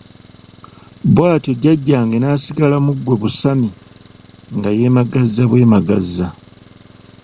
Bw'atyo Jjajjange n'asigala mu gwe "Busami" nga yeemagaza bwemagaza...!